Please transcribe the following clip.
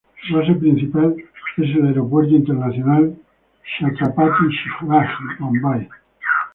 Su base principal es el Aeropuerto Internacional Chhatrapati Shivaji, Bombay.